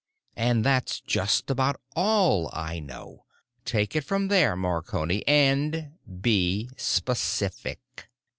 And that's just about all I know. Take it from there, Marconi. And be specific."